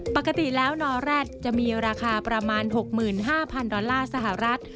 ปกติแล้วนอแร็ดจะมีราคาประมาณ๖๕๐๐ดอลลาร์สหรัฐ